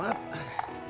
udah ganti tangan